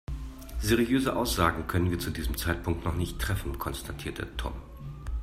"Seriöse Aussagen können wir zu diesem Zeitpunkt noch nicht treffen", konstatierte Tom.